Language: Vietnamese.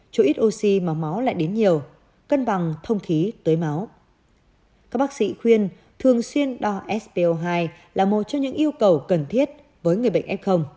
các bác sĩ khuyên thường xuyên đo sco hai là một trong những yêu cầu cần thiết với người bệnh f